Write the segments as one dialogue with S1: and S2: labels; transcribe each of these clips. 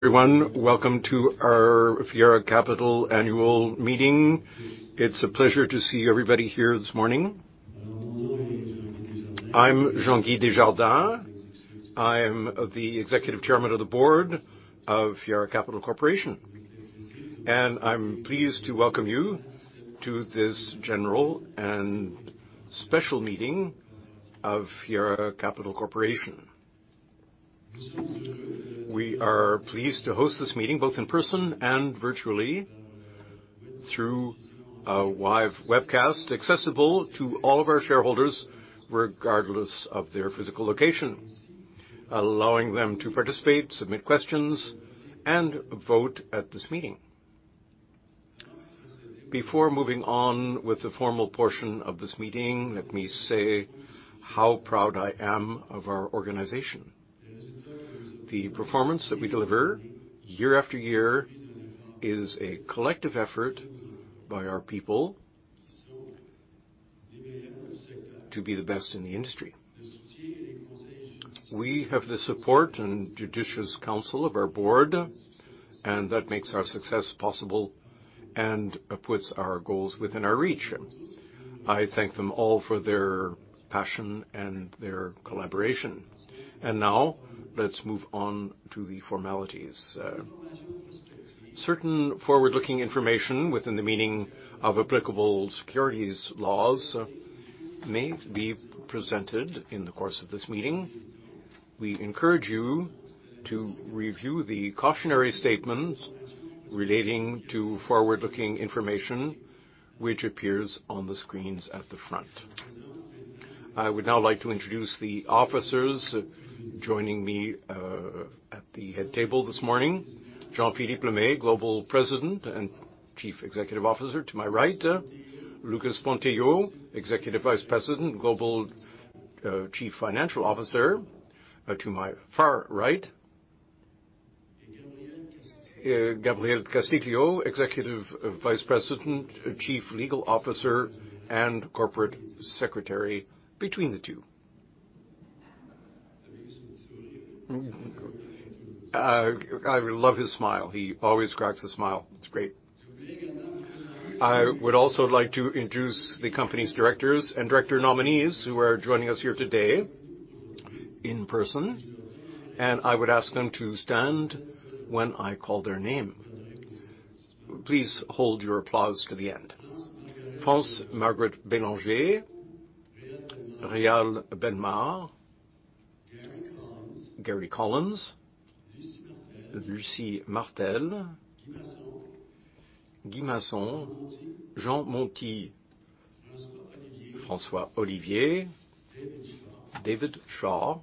S1: Everyone, welcome to our Fiera Capital Annual Meeting. It's a pleasure to see everybody here this morning. I'm Jean-Guy Desjardins. I'm the Executive Chairman of the Board of Fiera Capital Corporation, and I'm pleased to welcome you to this general and special meeting of Fiera Capital Corporation. We are pleased to host this meeting both in person and virtually through a live webcast, accessible to all of our shareholders, regardless of their physical locations, allowing them to participate, submit questions, and vote at this meeting. Before moving on with the formal portion of this meeting, let me say how proud I am of our organization. The performance that we deliver year after year is a collective effort by our people to be the best in the industry. We have the support and judicious counsel of our board, and that makes our success possible and puts our goals within our reach. I thank them all for their passion and their collaboration. Now let's move on to the formalities. Certain forward-looking information within the meaning of applicable securities laws may be presented in the course of this meeting. We encourage you to review the cautionary statements relating to forward-looking information which appears on the screens at the front. I would now like to introduce the officers joining me at the head table this morning. Jean-Philippe Lemay, Global President and Chief Executive Officer, to my right. Lucas Pontillo, Executive Vice President, Global Chief Financial Officer, to my far right. Gabriel Castiglio, Executive Vice President, Chief Legal Officer, and Corporate Secretary between the two. I love his smile. He always cracks a smile. It's great.I would also like to introduce the company's directors and director nominees who are joining us here today in person, and I would ask them to stand when I call their name. Please hold your applause to the end. France-Margaret Bélanger, Réal Bellemare, Gary Collins, Lucie Martel, Guy Masson, Jean Monty, François Olivier, David Shaw,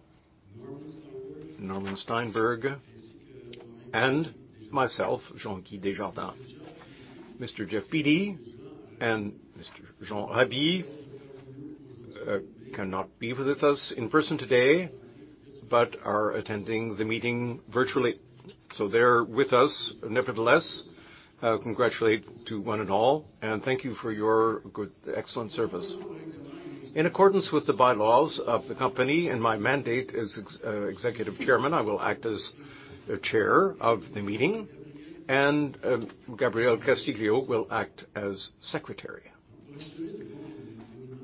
S1: Norman Steinberg, and myself, Jean-Guy Desjardins. Mr. Geoff Beattie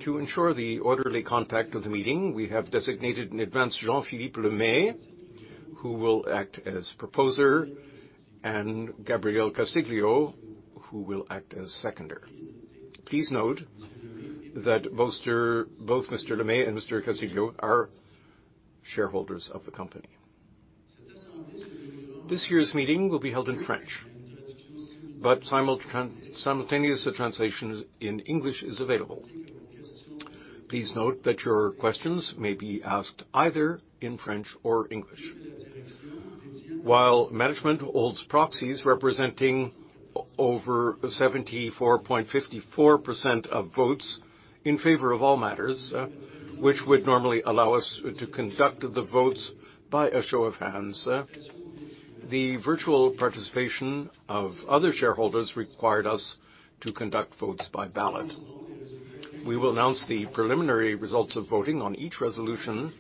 S1: To ensure the orderly conduct of the meeting, we have designated in advance Jean-Philippe Lemay, who will act as proposer, and Gabriel Castiglio, who will act as seconder. Please note that both Mr. Lemay and Mr. Castiglio are shareholders of the company. This year's meeting will be held in French, but simultaneous translation in English is available. Please note that your questions may be asked either in French or English. While management holds proxies representing over 74.54% of votes in favor of all matters, which would normally allow us to conduct the votes by a show of hands, the virtual participation of other shareholders required us to conduct votes by ballot. We will announce the preliminary results of voting on each resolution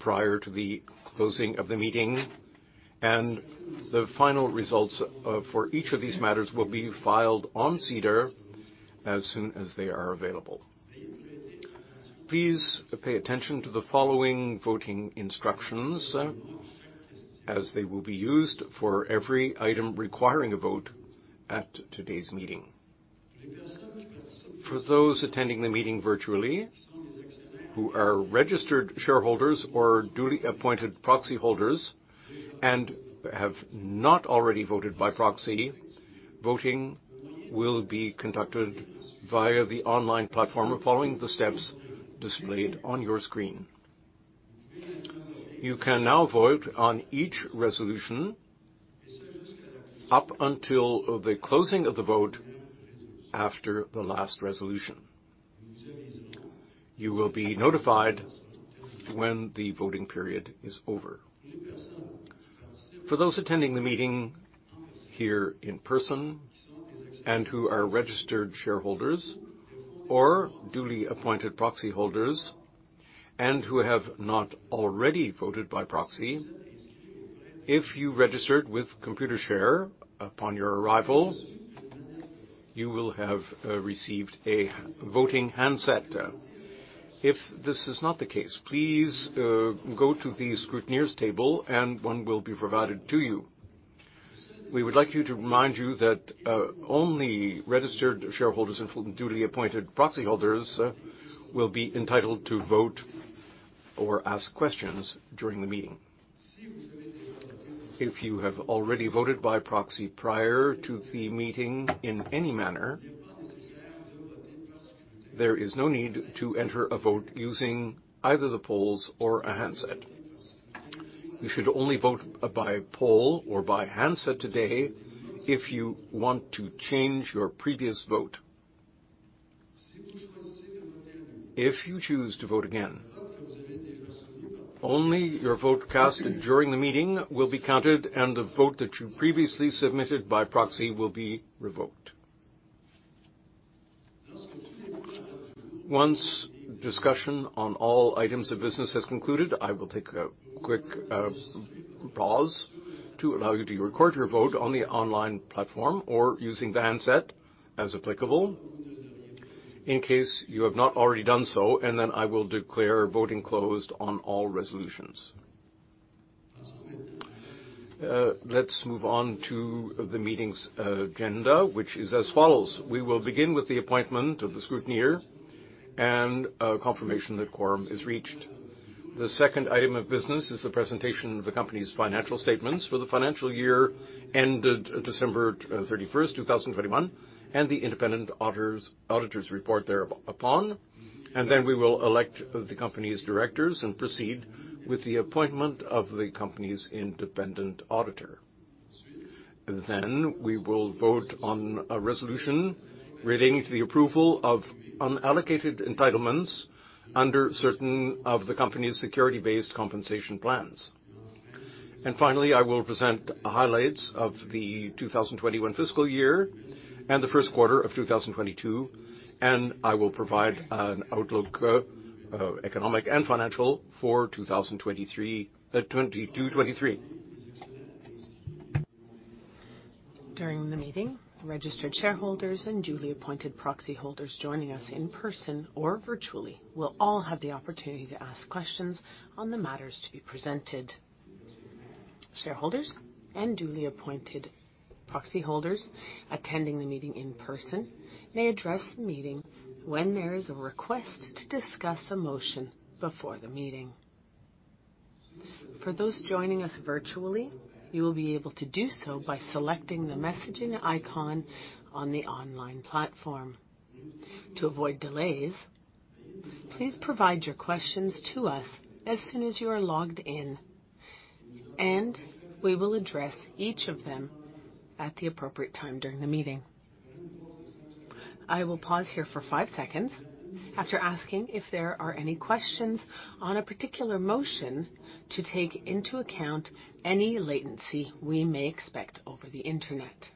S1: prior to the closing of the meeting, and the final results for each of these matters will be filed on SEDAR as soon as they are available. Please pay attention to the following voting instructions, as they will be used for every item requiring a vote at today's meeting. For those attending the meeting virtually, who are registered shareholders or duly appointed proxy holders and have not already voted by proxy, voting will be conducted via the online platform following the steps displayed on your screen. You can now vote on each resolution up until the closing of the vote after the last resolution. You will be notified when the voting period is over. For those attending the meeting here in person and who are registered shareholders or duly appointed proxy holders, and who have not already voted by proxy. If you registered with Computershare upon your arrival, you will have received a voting handset. If this is not the case, please go to the scrutineer's table and one will be provided to you. We would like you to remind you that only registered shareholders and fully duly appointed proxy holders will be entitled to vote or ask questions during the meeting. If you have already voted by proxy prior to the meeting in any manner, there is no need to enter a vote using either the polls or a handset. You should only vote by poll or by handset today if you want to change your previous vote. If you choose to vote again, only your vote cast during the meeting will be counted and the vote that you previously submitted by proxy will be revoked. Once discussion on all items of business has concluded, I will take a quick pause to allow you to record your vote on the online platform or using the handset as applicable in case you have not already done so, and then I will declare voting closed on all resolutions. Let's move on to the meeting's agenda, which is as follows. We will begin with the appointment of the scrutineer and a confirmation that quorum is reached. The second item of business is the presentation of the company's financial statements for the financial year ended December thirty-first, 2021, and the independent auditor's report thereupon. We will elect the company's directors and proceed with the appointment of the company's independent auditor. We will vote on a resolution relating to the approval of unallocated entitlements under certain of the company's Security Based Compensation Plans. Finally, I will present highlights of the 2021 fiscal year and the first quarter of 2022, and I will provide an outlook, economic and financial for 2023, 2022/2023.
S2: During the meeting, registered shareholders and duly appointed proxy holders joining us in person or virtually will all have the opportunity to ask questions on the matters to be presented. Shareholders and duly appointed proxy holders attending the meeting in person may address the meeting when there is a request to discuss a motion before the meeting. For those joining us virtually, you will be able to do so by selecting the messaging icon on the online platform. To avoid delays, please provide your questions to us as soon as you are logged in, and we will address each of them at the appropriate time during the meeting. I will pause here for five seconds after asking if there are any questions on a particular motion to take into account any latency we may expect over the Internet.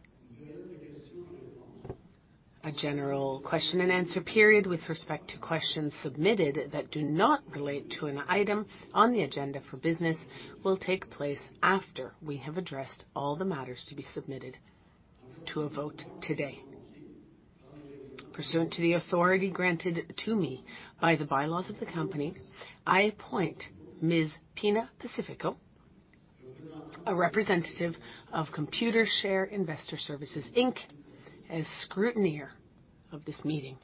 S2: A general question and answer period with respect to questions submitted that do not relate to an item on the agenda for business will take place after we have addressed all the matters to be submitted to a vote today. Pursuant to the authority granted to me by the bylaws of the company, I appoint Ms. Pina Pacifico, a representative of Computershare Investor Services Inc. as scrutineer of this meeting.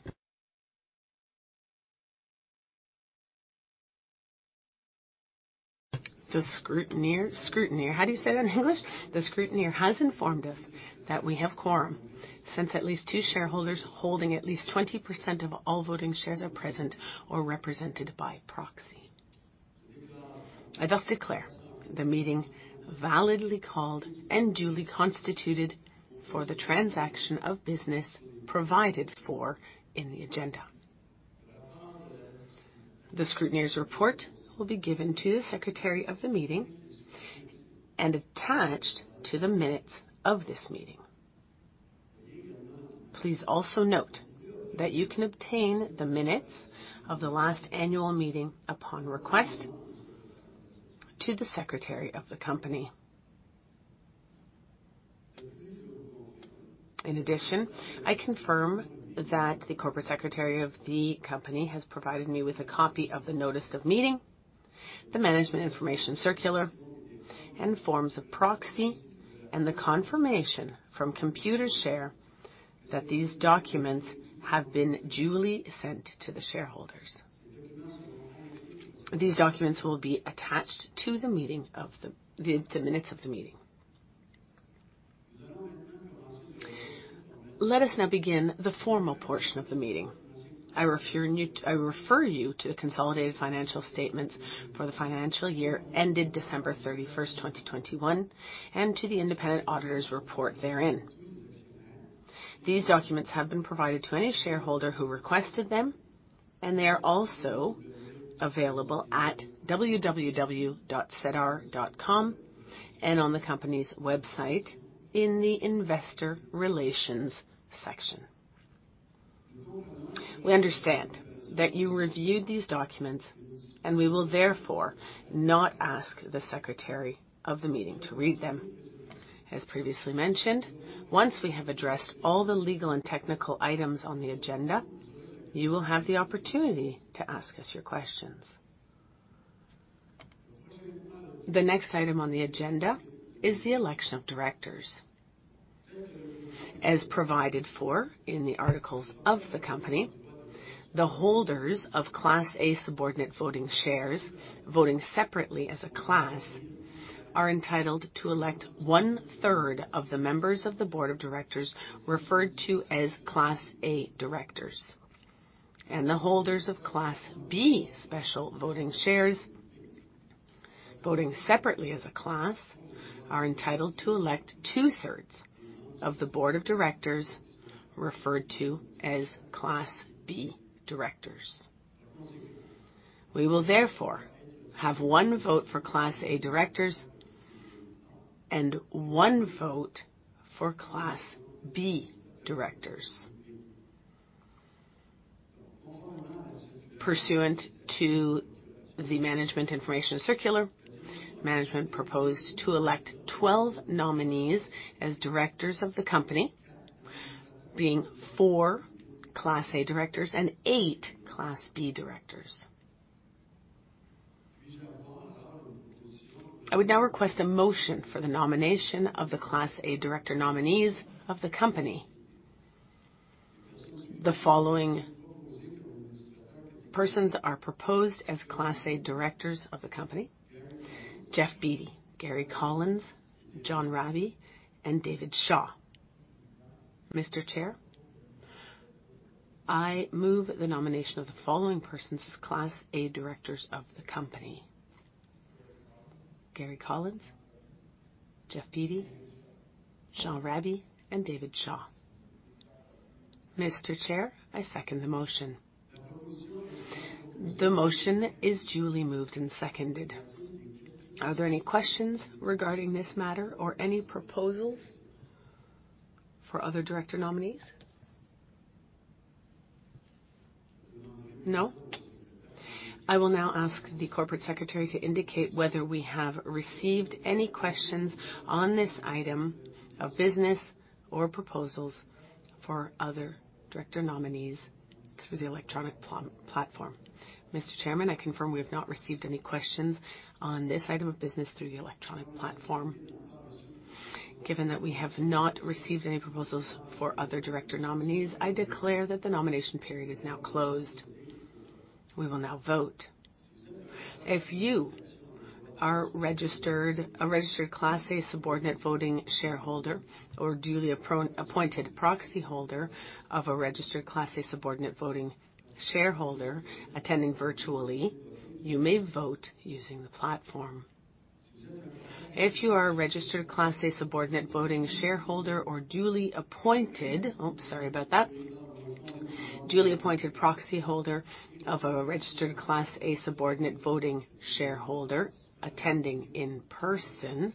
S2: The scrutineer. How do you say that in English? The scrutineer has informed us that we have quorum since at least two shareholders holding at least 20% of all voting shares are present or represented by proxy. I thus declare the meeting validly called and duly constituted for the transaction of business provided for in the agenda. The scrutineer's report will be given to the secretary of the meeting and attached to the minutes of this meeting. Please also note that you can obtain the minutes of the last annual meeting upon request to the Secretary of the company. In addition, I confirm that the Corporate Secretary of the company has provided me with a copy of the notice of meeting, the management information circular and forms of proxy, and the confirmation from Computershare that these documents have been duly sent to the shareholders. These documents will be attached to the minutes of the meeting. Let us now begin the formal portion of the meeting. I refer you to the consolidated financial statements for the financial year ended December 31st, 2021, and to the independent auditor's report therein. These documents have been provided to any shareholder who requested them, and they are also available at www.SEDAR.com and on the company's website in the investor relations section. We understand that you reviewed these documents, and we will therefore not ask the secretary of the meeting to read them. As previously mentioned, once we have addressed all the legal and technical items on the agenda, you will have the opportunity to ask us your questions. The next item on the agenda is the election of directors. As provided for in the articles of the company, the holders of Class A Subordinate Voting Shares, voting separately as a class, are entitled to elect one-third of the members of the board of directors, referred to as Class A Directors, and the holders of Class B Special Voting Shares, voting separately as a class, are entitled to elect two-thirds of the board of directors, referred to as Class B Directors. We will therefore have one vote for Class A Directors and one vote for Class B Directors. Pursuant to the management information circular, management proposed to elect 12 nominees as Directors of the company, being four Class A Directors and eight Class B Directors. I would now request a motion for the nomination of the Class A Director nominees of the company. The following persons are proposed as Class A Directors of the company: Geoff Beattie, Gary Collins, Jean Raby, and David Shaw. Mr. Chair, I move the nomination of the following persons as Class A Directors of the company. Gary Collins, Geoff Beattie, Jean Raby, and David Shaw. Mr. Chair, I second the motion. The motion is duly moved and seconded. Are there any questions regarding this matter or any proposals for other Director nominees? No. I will now ask the Corporate Secretary to indicate whether we have received any questions on this item of business or proposals for other Director nominees through the electronic platform. Mr. Chairman, I confirm we have not received any questions on this item of business through the electronic platform. Given that we have not received any proposals for other director nominees, I declare that the nomination period is now closed. We will now vote. If you are a registered Class A Subordinate Voting Shareholder or duly appointed proxy holder of a registered Class A Subordinate Voting Shareholder attending virtually, you may vote using the platform. If you are a registered Class A Subordinate Voting Shareholder or oops, sorry about that. Duly appointed proxy holder of a registered Class A Subordinate Voting Shareholder attending in person,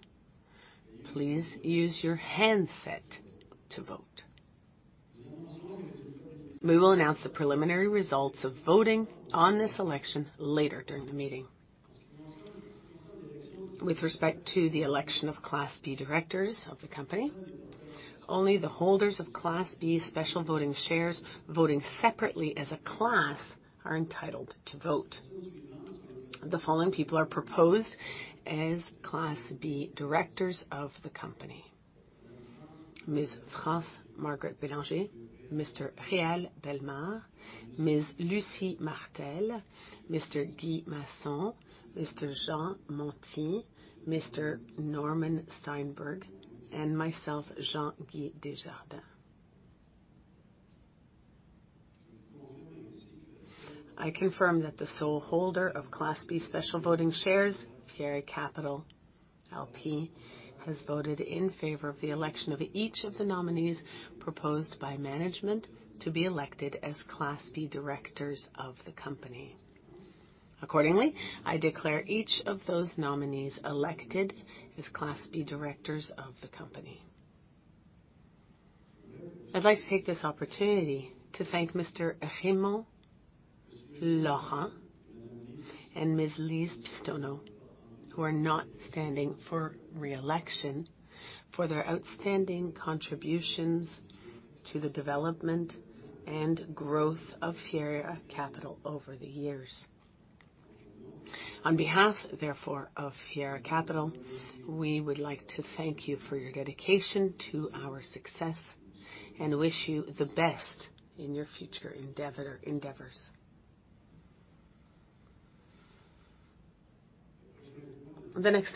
S2: please use your handset to vote. We will announce the preliminary results of voting on this election later during the meeting. With respect to the election of Class B Directors of the company, only the holders of Class B Special Voting Shares voting separately as a class are entitled to vote. The following people are proposed as Class B Directors of the company: Ms. France Margaret Bélanger, Mr. Réal Bellemare, Ms. Lucie Martel, Mr. Guy Masson, Mr. Jean monty, Mr. Norman Steinberg, and myself, Jean-Guy Desjardins. I confirm that the sole holder of Class B Special Voting Shares, Fiera Capital L.P., has voted in favor of the election of each of the nominees proposed by management to be elected as Class B Directors of the company. Accordingly, I declare each of those nominees elected as Class B Directors of the company. I'd like to take this opportunity to thank Mr. Raymond Lorrain and Ms.Lise Pistilli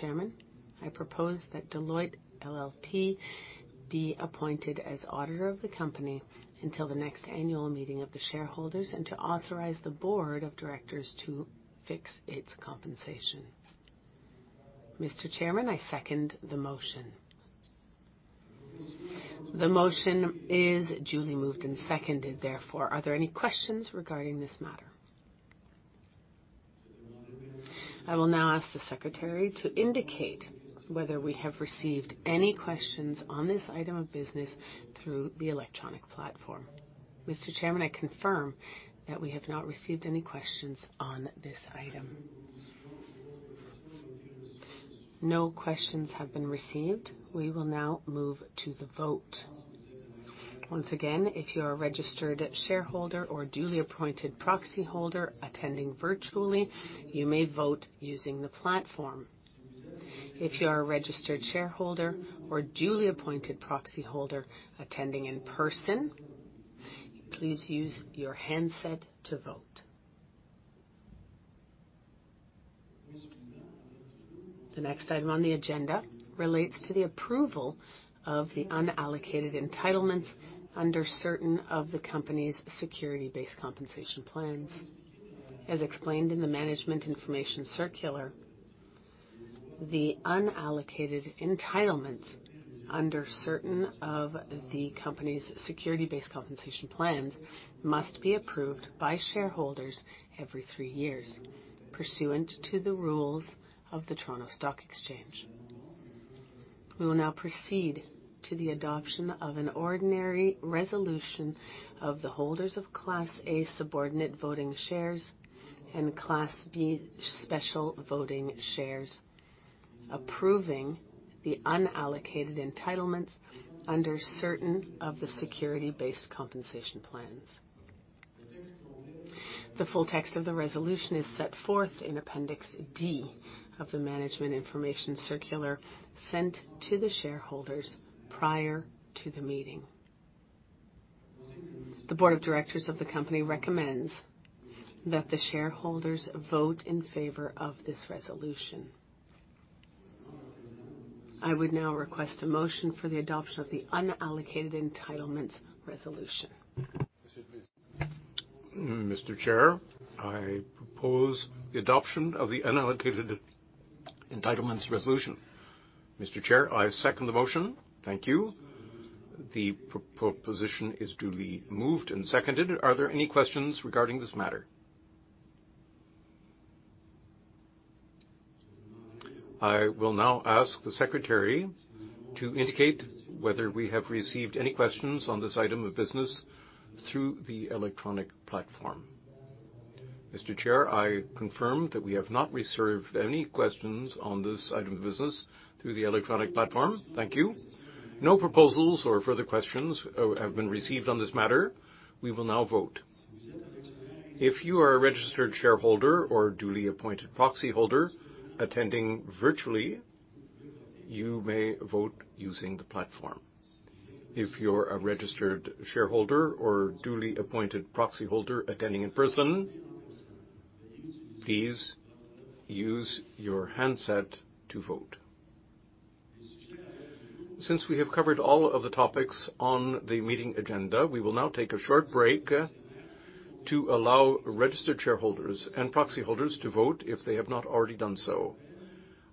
S2: Chairman, I propose that Deloitte LLP be appointed as auditor of the company until the next annual meeting of the shareholders, and to authorize the board of directors to fix its compensation. Mr. Chairman, I second the motion. The motion is duly moved and seconded, therefore, are there any questions regarding this matter? I will now ask the secretary to indicate whether we have received any questions on this item of business through the electronic platform. Mr. Chairman, I confirm that we have not received any questions on this item. No questions have been received. We will now move to the vote. Once again, if you are a registered shareholder or duly appointed proxy holder attending virtually, you may vote using the platform. If you are a registered shareholder or duly appointed proxy holder attending in person, please use your handset to vote. The next item on the agenda relates to the approval of the unallocated entitlements under certain of the company's Security Based Compensation Plans. As explained in the management information circular, the unallocated entitlements under certain of the company's Security Based Compensation Plans must be approved by shareholders every 3 years pursuant to the rules of the Toronto Stock Exchange. We will now proceed to the adoption of an ordinary resolution of the holders of Class A Subordinate Voting Shares and Class B Special Voting Shares, approving the unallocated entitlements under certain of the Security Based Compensation Plans. The full text of the resolution is set forth in Appendix D of the management information circular sent to the shareholders prior to the meeting. The board of directors of the company recommends that the shareholders vote in favor of this resolution. I would now request a motion for the adoption of the unallocated entitlements resolution.
S1: Mr. Chair, I propose the adoption of the unallocated entitlements resolution. Mr. Chair, I second the motion. Thank you. The pro-proposition is duly moved and seconded. Are there any questions regarding this matter? I will now ask the secretary to indicate whether we have received any questions on this item of business through the electronic platform. Mr. Chair, I confirm that we have not received any questions on this item of business through the electronic platform. Thank you. No proposals or further questions have been received on this matter. We will now vote. If you are a registered shareholder or duly appointed proxy holder attending virtually, you may vote using the platform. If you're a registered shareholder or duly appointed proxy holder attending in person, please use your handset to vote. Since we have covered all of the topics on the meeting agenda, we will now take a short break to allow registered shareholders and proxy holders to vote if they have not already done so.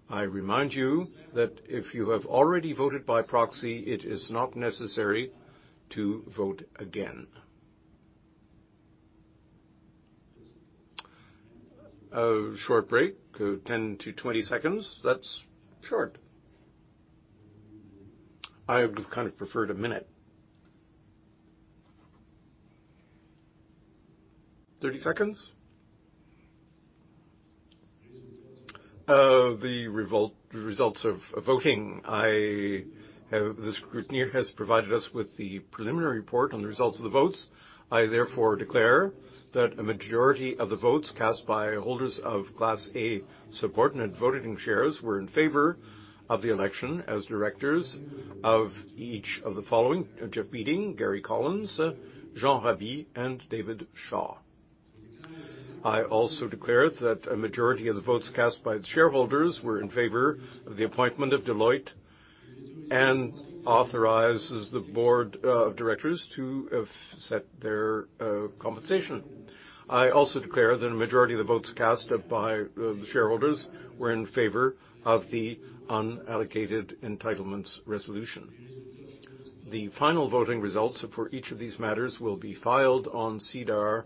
S1: I remind you that if you have already voted by proxy, it is not necessary to vote again. A short break, 10-20 seconds. That's short. I would have kind of preferred a minute. 30 seconds. The revolt, results of voting. I have... The scrutineer has provided us with the preliminary report on the results of the votes. I therefore declare that a majority of the votes cast by holders of Class A Subordinate Voting Shares were in favor of the election as directors of each of the following: Geoff Beattie, Gary Collins, Jean Raby, and David Shaw. I also declare that a majority of the votes cast by the shareholders were in favor of the appointment of Deloitte and authorizes the board of directors to have set their compensation. I also declare that a majority of the votes cast by the shareholders were in favor of the unallocated entitlements resolution. The final voting results for each of these matters will be filed on SEDAR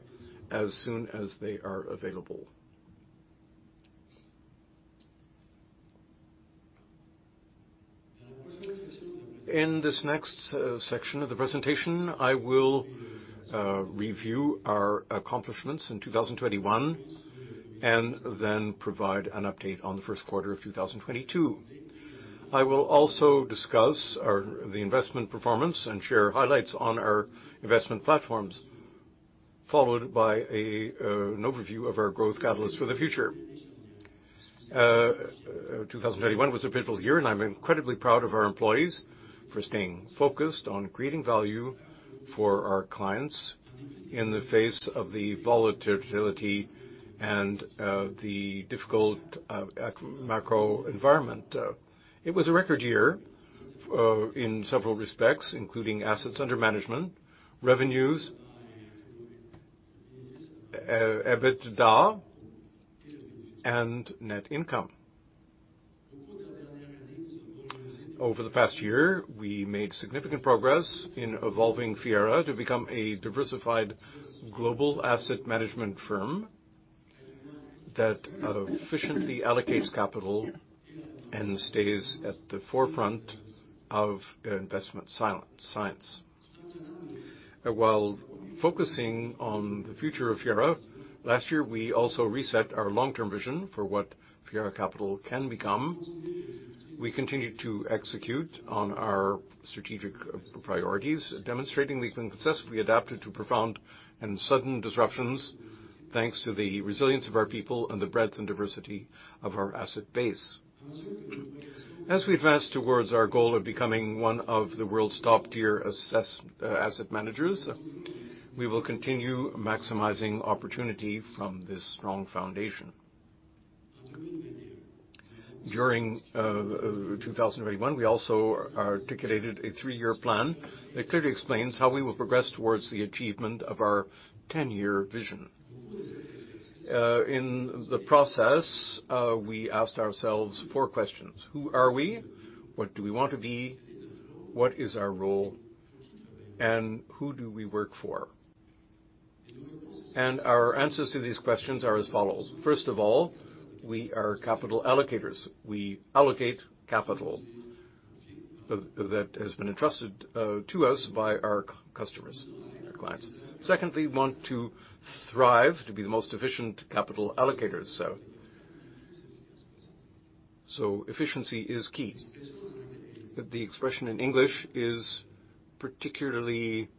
S1: as soon as they are available. In this next section of the presentation, I will review our accomplishments in 2021, and then provide an update on the first quarter of 2022. I will also discuss the investment performance and share highlights on our investment platforms, followed by an overview of our growth catalyst for the future. 2021 was a pivotal year, and I'm incredibly proud of our employees for staying focused on creating value for our clients in the face of the volatility and the difficult macro environment. It was a record year in several respects, including assets under management, revenues, EBITDA, and net income. Over the past year, we made significant progress in evolving Fiera to become a diversified global asset management firm that efficiently allocates capital and stays at the forefront of investment science. While focusing on the future of Fiera, last year, we also reset our long-term vision for what Fiera Capital can become. We continue to execute on our strategic priorities, demonstrating we've been successfully adapted to profound and sudden disruptions, thanks to the resilience of our people and the breadth and diversity of our asset base. As we advance towards our goal of becoming one of the world's top-tier asset managers, we will continue maximizing opportunity from this strong foundation. During 2021, we also articulated a 3-year plan that clearly explains how we will progress towards the achievement of our 10-year vision. In the process, we asked ourselves 4 questions: Who are we? What do we want to be? What is our role? Who do we work for? Our answers to these questions are as follows. First of all, we are capital allocators. We allocate capital that has been entrusted to us by our customers and our clients. Secondly, we want to thrive to be the most efficient capital allocators, so efficiency is key. The expression in English is particularly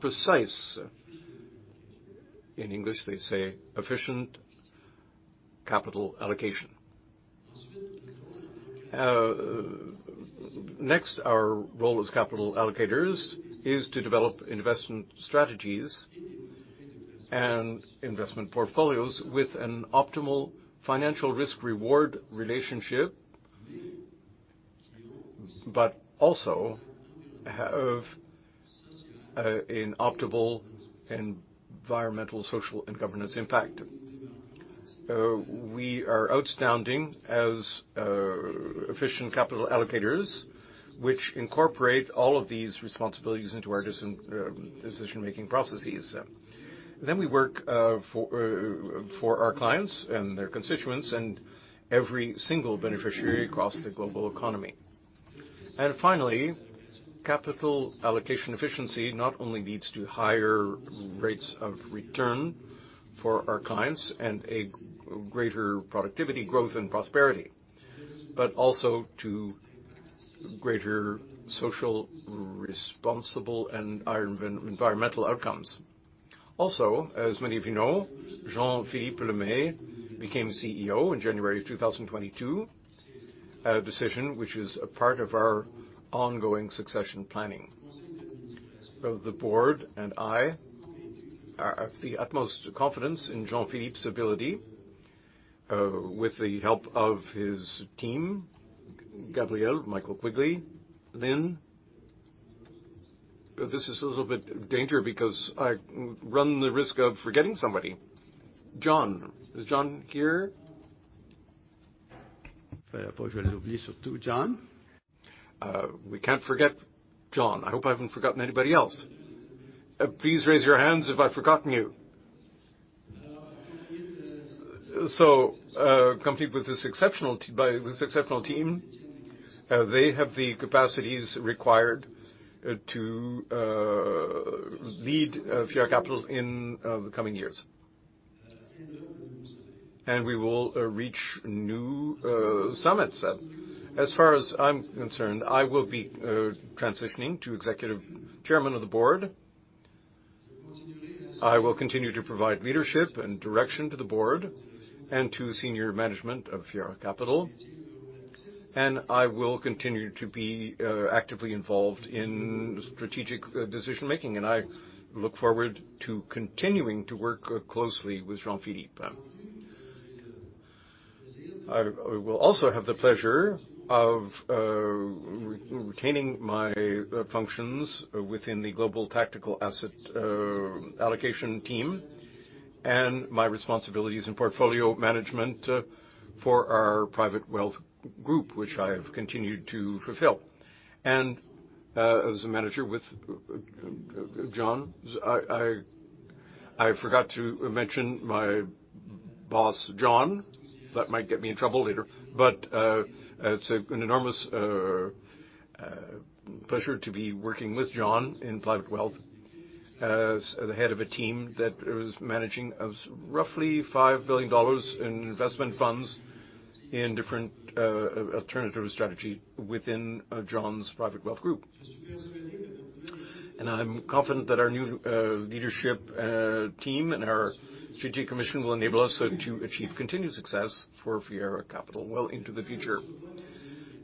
S1: precise. In English, they say efficient capital allocation. Next, our role as capital allocators is to develop investment strategies and investment portfolios with an optimal financial risk-reward relationship, but also have an optimal environmental, social, and governance impact. We are outstanding as efficient capital allocators, which incorporate all of these responsibilities into our decision-making processes. We work for our clients and their constituents and every single beneficiary across the global economy. Capital allocation efficiency not only leads to higher rates of return for our clients and a greater productivity, growth, and prosperity, but also to greater socially responsible and iron environmental outcomes. Also, as many of you know, Jean-Philippe Lemay became CEO in January 2022, a decision which is a part of our ongoing succession planning. Both the board and I have the utmost confidence in Jean-Philippe's ability, with the help of his team, Gabriel, Michael Quigley, Lynn. This is a little bit danger because I run the risk of forgetting somebody. John. Is John here? We can't forget John. I hope I haven't forgotten anybody else. Please raise your hands if I've forgotten you. Complete with this exceptional by this exceptional team, they have the capacities required, to, lead, Fiera Capital in, the coming years. We will, reach new, summits. As far as I'm concerned, I will be, transitioning to Executive Chairman of the Board. I will continue to provide leadership and direction to the board and to senior management of Fiera Capital, and I will continue to be, actively involved in strategic, decision making. I look forward to continuing to work closely with Jean-Philippe. I will also have the pleasure of retaining my functions within the global tactical asset allocation team and my responsibilities in portfolio management for our private wealth group, which I have continued to fulfill. As a manager with John, I forgot to mention my boss, John, that might get me in trouble later. It's an enormous pleasure to be working with John in private wealth as the head of a team that is managing roughly 5 billion dollars in investment funds in different alternative strategy within John's private wealth group. I'm confident that our new leadership team and our strategic vision will enable us to achieve continued success for Fiera Capital well into the future.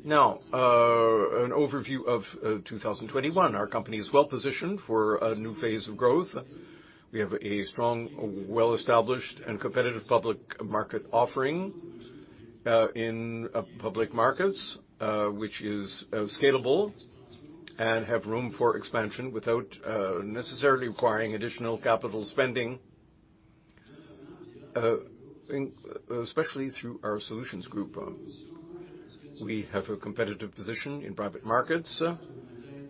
S1: Now, an overview of 2021. Our company is well-positioned for a new phase of growth. We have a strong, well-established, and competitive public market offering in public markets, which is scalable and have room for expansion without necessarily requiring additional capital spending, especially through our solutions group. We have a competitive position in private markets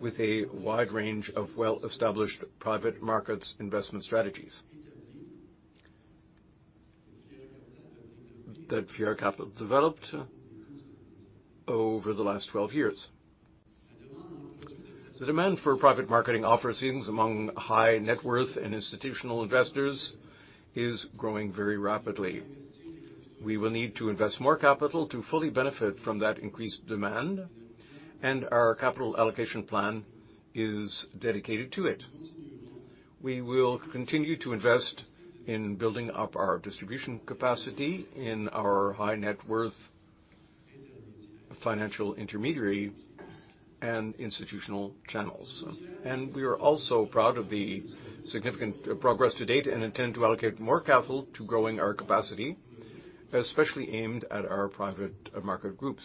S1: with a wide range of well-established private markets investment strategies that Fiera Capital developed over the last 12 years. The demand for private marketing offerings among high net worth in institutional investors is growing very rapidly. We will need to invest more capital to fully benefit from that increased demand, and our capital allocation plan is dedicated to it. We will continue to invest in building up our distribution capacity in our high net worth financial intermediary and institutional channels. We are also proud of the significant progress to date and intend to allocate more capital to growing our capacity, especially aimed at our private market groups,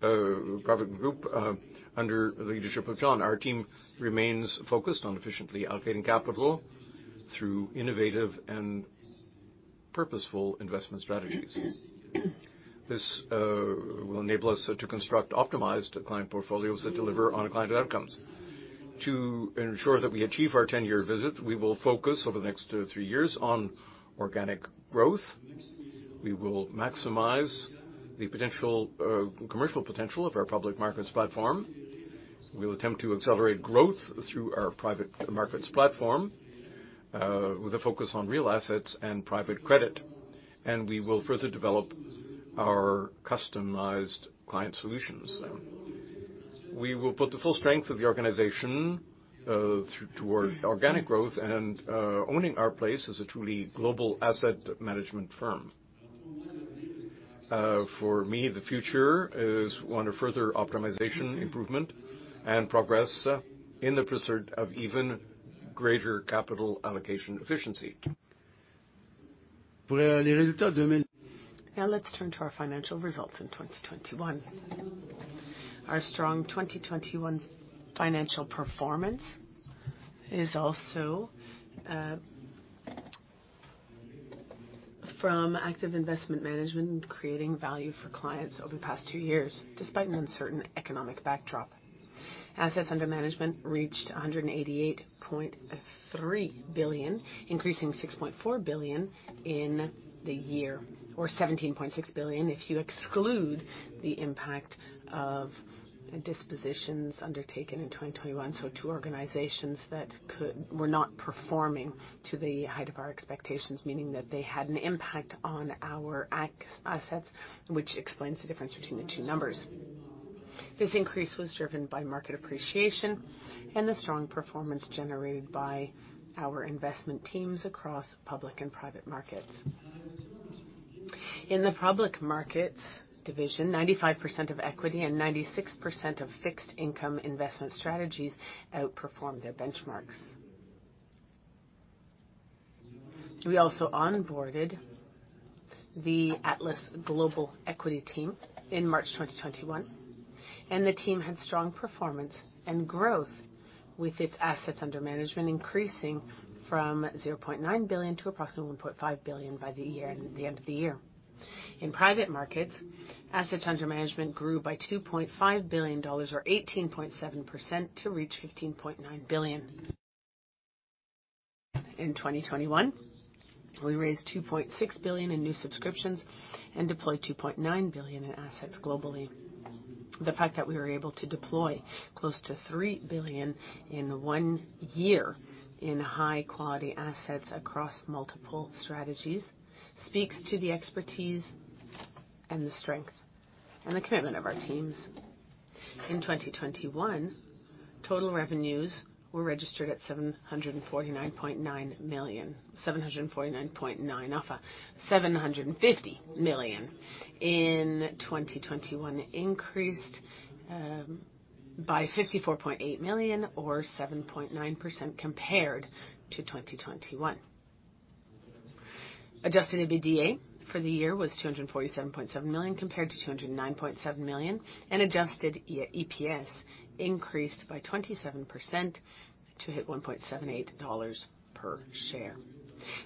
S1: private group under the leadership of John. Our team remains focused on efficiently allocating capital through innovative and purposeful investment strategies. This will enable us to construct optimized client portfolios that deliver on client outcomes. To ensure that we achieve our 10-year vision, we will focus over the next two, three years on organic growth. We will maximize the potential commercial potential of our public markets platform. We will attempt to accelerate growth through our private markets platform with a focus on real assets and private credit, and we will further develop our customized client solutions. We will put the full strength of the organization toward organic growth and owning our place as a truly global asset management firm. For me, the future is one of further optimization, improvement, and progress in the pursuit of even greater capital allocation efficiency.
S2: Let's turn to our financial results in 2021. Our strong 2021 financial performance is also from active investment management, creating value for clients over the past 2 years, despite an uncertain economic backdrop. Assets under management reached 188.3 billion, increasing 6.4 billion in the year, or 17.6 billion, if you exclude the impact of dispositions undertaken in 2021. Two organizations that were not performing to the height of our expectations, meaning that they had an impact on our assets, which explains the difference between the 2 numbers. This increase was driven by market appreciation and the strong performance generated by our investment teams across public and private markets. In the public markets division, 95% of equity and 96% of fixed income investment strategies outperformed their benchmarks. We also onboarded the Fiera Atlas Global Equity team in March 2021. The team had strong performance and growth with its assets under management, increasing from 0.9 billion to approximately 1.5 billion by the end of the year. In private markets, assets under management grew by 2.5 billion dollars, or 18.7%, to reach 15.9 billion. In 2021, we raised 2.6 billion in new subscriptions and deployed 2.9 billion in assets globally. The fact that we were able to deploy close to 3 billion in one year in high-quality assets across multiple strategies speaks to the expertise and the strength and the commitment of our teams. In 2021, total revenues were registered at 749.9 million, 749.9, of 750 million in 2021, increased by 54.8 million or 7.9% compared to 2021. Adjusted EBITDA for the year was 247.7 million compared to 209.7 million, and adjusted EPS increased by 27% to hit 1.78 dollars per share.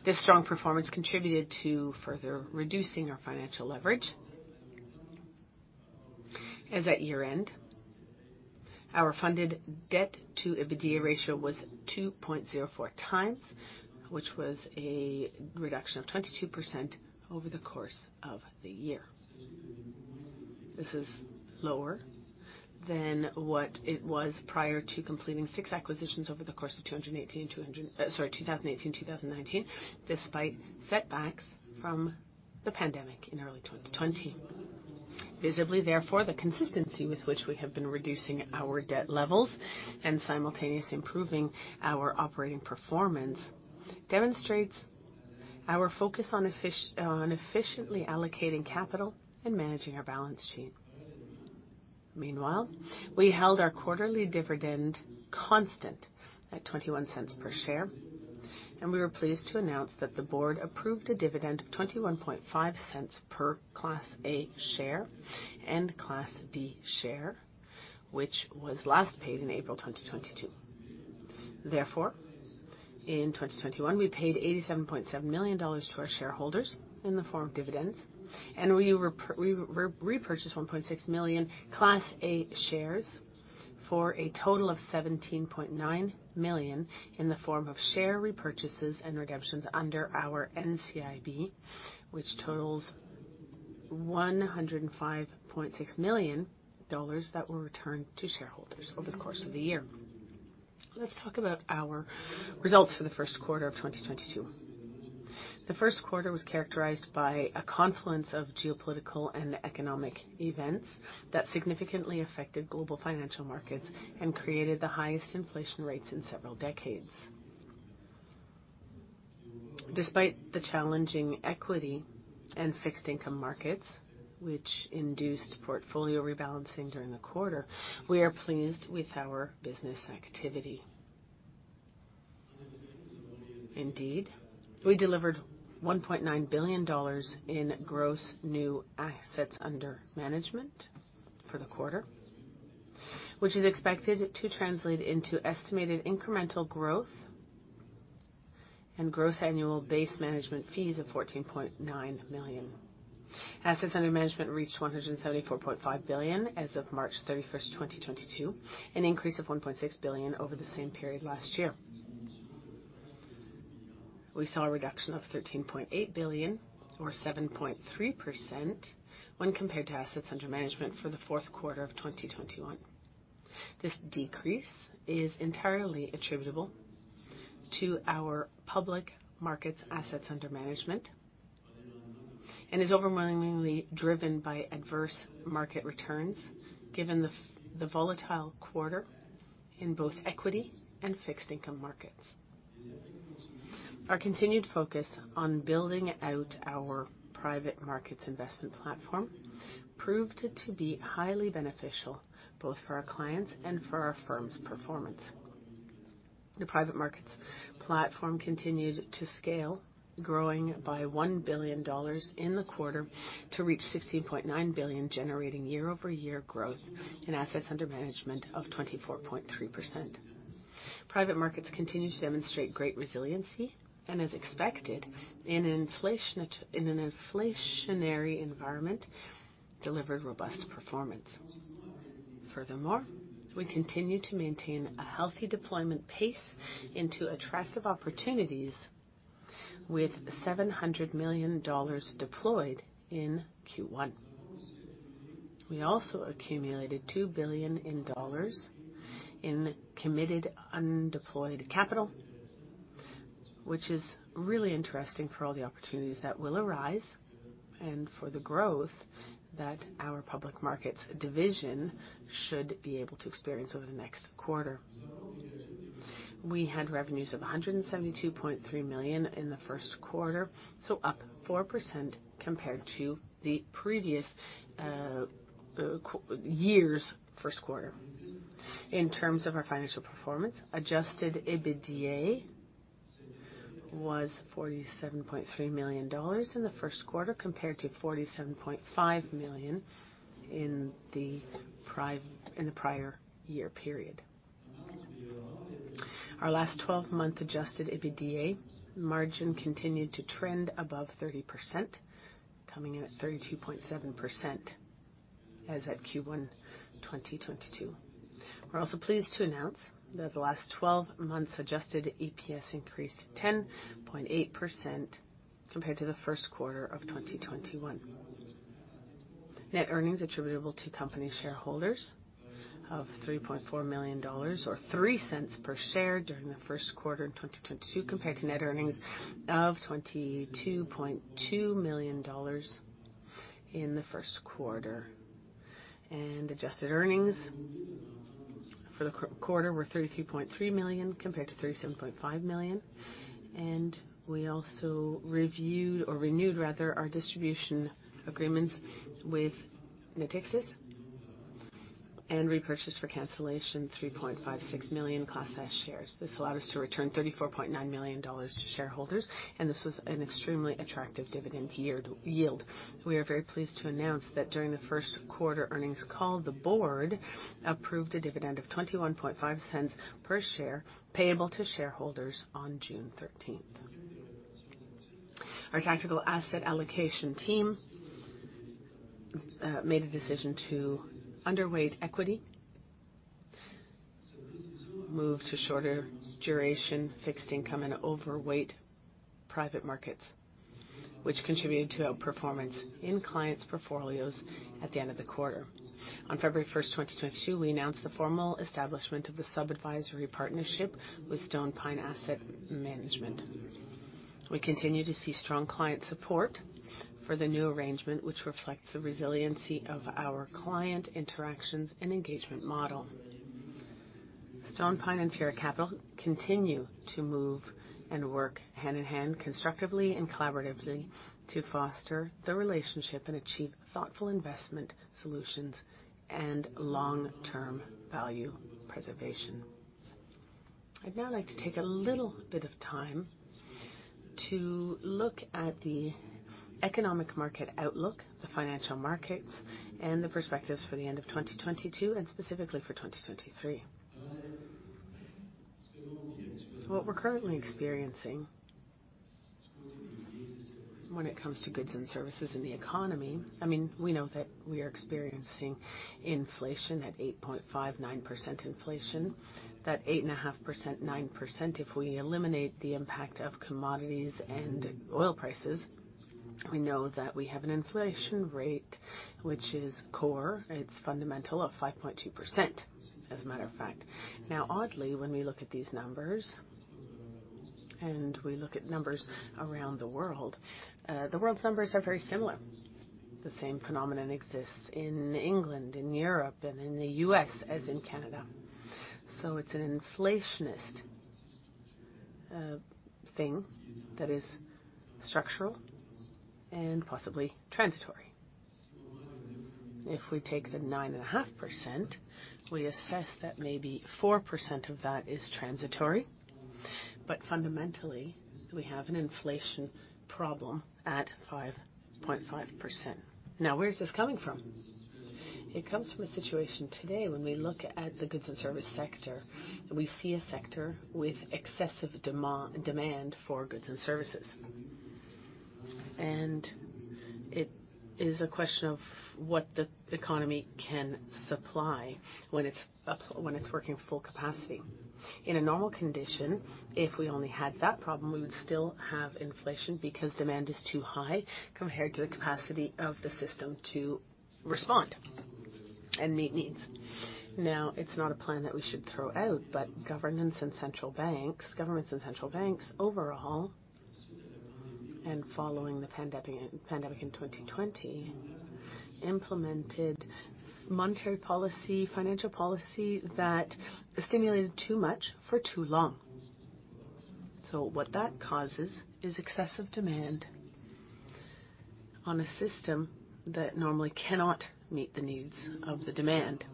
S2: This strong performance contributed to further reducing our financial leverage. As at year-end, our Funded Debt to EBITDA ratio was 2.04 times, which was a reduction of 22% over the course of the year. This is lower than what it was prior to completing six acquisitions over the course of 2018. Sorry, 2018, 2019, despite setbacks from the pandemic in early 2020. Visibly, therefore, the consistency with which we have been reducing our debt levels and simultaneously improving our operating performance, demonstrates our focus on efficiently allocating capital and managing our balance sheet. Meanwhile, we held our quarterly dividend constant at 0.21 per share, and we were pleased to announce that the board approved a dividend of 0.215 per Class A share and Class B share, which was last paid in April 2022. In 2021, we paid 87.7 million dollars to our shareholders in the form of dividends, and we repurchased 1.6 million Class A shares for a total of 17.9 million in the form of share repurchases and redemptions under our NCIB, which totals 105.6 million dollars that were returned to shareholders over the course of the year. Let's talk about our results for the first quarter of 2022. The first quarter was characterized by a confluence of geopolitical and economic events that significantly affected global financial markets and created the highest inflation rates in several decades. Despite the challenging equity and fixed income markets, which induced portfolio rebalancing during the quarter, we are pleased with our business activity. Indeed, we delivered 1.9 billion dollars in gross new assets under management for the quarter, which is expected to translate into estimated incremental growth and gross annual base management fees of 14.9 million. Assets under management reached 174.5 billion as of March 31, 2022, an increase of 1.6 billion over the same period last year. We saw a reduction of 13.8 billion or 7.3% when compared to assets under management for the fourth quarter of 2021. This decrease is entirely attributable to our public markets assets under management and is overwhelmingly driven by adverse market returns given the volatile quarter in both equity and fixed income markets. Our continued focus on building out our private markets investment platform proved to be highly beneficial both for our clients and for our firm's performance. The private markets platform continued to scale, growing by 1 billion dollars in the quarter to reach 16.9 billion, generating year-over-year growth in assets under management of 24.3%. Private markets continue to demonstrate great resiliency, and as expected, in an inflationary environment, delivered robust performance. Furthermore, we continue to maintain a healthy deployment pace into attractive opportunities with 700 million dollars deployed in Q1. We also accumulated 2 billion in dollars in committed undeployed capital, which is really interesting for all the opportunities that will arise and for the growth that our public markets division should be able to experience over the next quarter. We had revenues of 172.3 million in the first quarter, up 4% compared to the previous years' first quarter. In terms of our financial performance, Adjusted EBITDA was 47.3 million dollars in the first quarter, compared to 47.5 million in the prior year period. Our last 12-month Adjusted EBITDA margin continued to trend above 30%, coming in at 32.7% as at Q1 2022. We're also pleased to announce that the last 12 months Adjusted EPS increased 10.8% compared to the first quarter of 2021. Net earnings attributable to company shareholders of 3.4 million dollars or 0.03 per share during the first quarter in 2022 compared to net earnings of 22.2 million dollars in the first quarter. Adjusted earnings for the quarter were 33.3 million compared to 37.5 million. We also reviewed or renewed rather our distribution agreements with Natixis and repurchased for cancellation 3.56 million Class S shares. This allowed us to return 34.9 million dollars to shareholders, and this was an extremely attractive dividend yield. We are very pleased to announce that during the first quarter earnings call, the board approved a dividend of 0.215 per share payable to shareholders on June 13. Our tactical asset allocation team made a decision to underweight equity, move to shorter duration fixed income, and overweight private markets, which contributed to our performance in clients' portfolios at the end of the quarter. On February 1, 2022, we announced the formal establishment of a sub-advisory partnership with StonePine Asset Management. We continue to see strong client support for the new arrangement, which reflects the resiliency of our client interactions and engagement model. StonePine and Fiera Capital continue to move and work hand-in-hand constructively and collaboratively to foster the relationship and achieve thoughtful investment solutions and long-term value preservation. I'd now like to take a little bit of time to look at the economic market outlook, the financial markets, and the perspectives for the end of 2022, and specifically for 2023. What we're currently experiencing when it comes to goods and services in the economy. I mean, we know that we are experiencing inflation at 8.5, 9% inflation. That 8.5%, 9%, if we eliminate the impact of commodities and oil prices, we know that we have an inflation rate, which is core. It's fundamental of 5.2%, as a matter of fact. Oddly, when we look at these numbers, and we look at numbers around the world, the world's numbers are very similar. The same phenomenon exists in England, in Europe, and in the U.S., as in Canada. It's an inflationist thing that is structural and possibly transitory. If we take the 9.5%, we assess that maybe 4% of that is transitory. Fundamentally, we have an inflation problem at 5.5%. Where is this coming from? It comes from a situation today, when we look at the goods and services sector, we see a sector with excessive demand for goods and services. It is a question of what the economy can supply when it's working full capacity. In a normal condition, if we only had that problem, we would still have inflation because demand is too high compared to the capacity of the system to respond and meet needs. It's not a plan that we should throw out, but governments and central banks overall, following the pandemic in 2020, implemented monetary policy, financial policy that stimulated too much for too long. What that causes is excessive demand on a system that normally cannot meet the needs of the demand.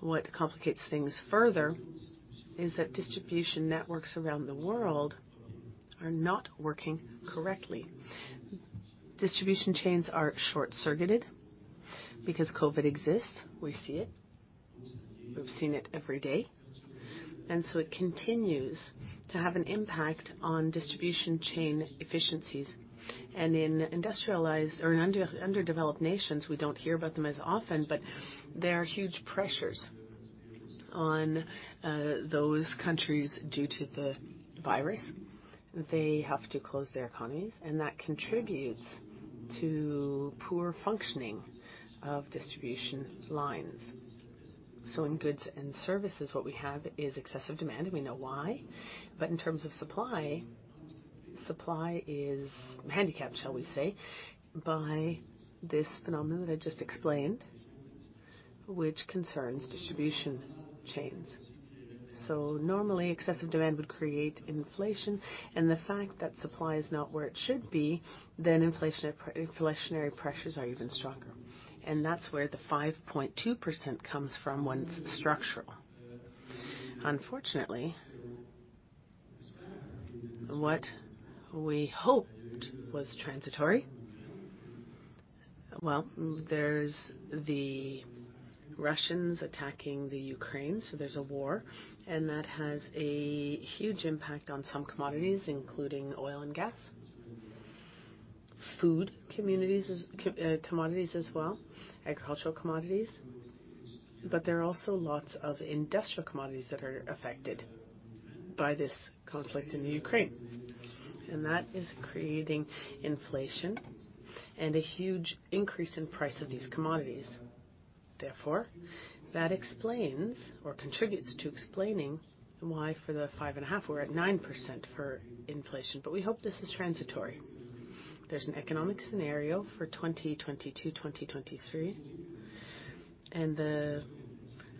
S2: What complicates things further is that distribution networks around the world are not working correctly. Distribution chains are short-circuited because COVID exists. We see it. We've seen it every day. It continues to have an impact on distribution chain efficiencies. In industrialized or in underdeveloped nations, we don't hear about them as often, but there are huge pressures on those countries due to the virus. They have to close their economies, and that contributes to poor functioning of distribution lines. In goods and services, what we have is excessive demand, and we know why. In terms of supply is handicapped, shall we say, by this phenomenon that I just explained, which concerns distribution chains. Normally, excessive demand would create inflation. The fact that supply is not where it should be, then inflationary pressures are even stronger. That's where the 5.2% comes from when it's structural. Unfortunately, what we hoped was transitory... Well, there's the Russians attacking the Ukraine, there's a war, that has a huge impact on some commodities, including oil and gas. Food commodities as well, agricultural commodities. There are also lots of industrial commodities that are affected by this conflict in the Ukraine, and that is creating inflation and a huge increase in price of these commodities. Therefore, that explains or contributes to explaining why for the five and a half, we're at 9% for inflation. We hope this is transitory. There's an economic scenario for 2022, 2023, and the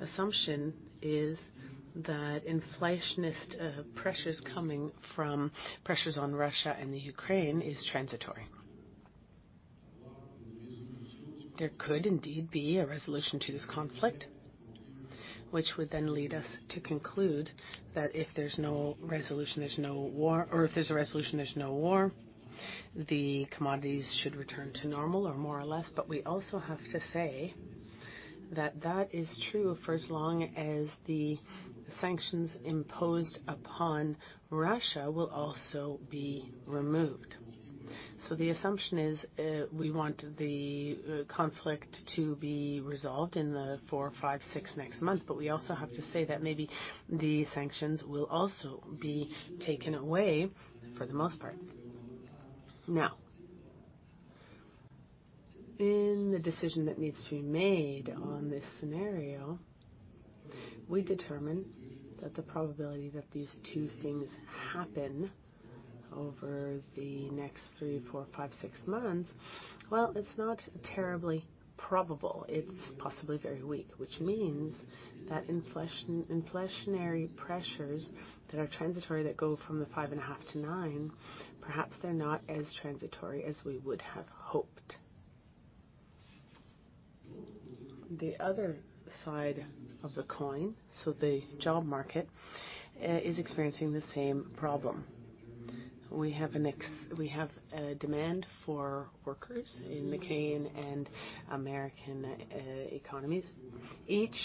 S2: assumption is that inflationist pressures coming from pressures on Russia and the Ukraine is transitory. There could indeed be a resolution to this conflict, which would then lead us to conclude that if there's no resolution, there's no war. If there's a resolution, there's no war. The commodities should return to normal or more or less. We also have to say that that is true for as long as the sanctions imposed upon Russia will also be removed. The assumption is, we want the conflict to be resolved in the 4, 5, 6 next months, but we also have to say that maybe the sanctions will also be taken away for the most part. In the decision that needs to be made on this scenario, we determine that the probability that these two things happen over the next 3, 4, 5, 6 months, well, it's not terribly probable. It's possibly very weak, which means that inflationary pressures that are transitory that go from the 5.5 to 9, perhaps they're not as transitory as we would have hoped. The other side of the coin, the job market is experiencing the same problem. We have a demand for workers in the Canadian and American economies. Each